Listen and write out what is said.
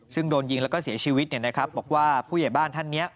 ซึ่งโดนยิงแล้วก็เสียชีวิตบอกว่าผู้ใหญ่บ้านท่านนี้